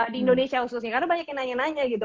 di indonesia khususnya karena banyak yang nanya nanya gitu